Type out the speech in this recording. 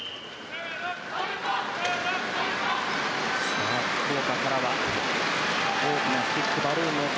さあ、福岡からは大きなスティックバルーンの音。